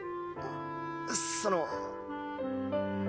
その。